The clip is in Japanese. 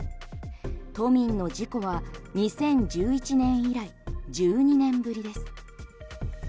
都民の事故は２０１１年以来１２年ぶりです。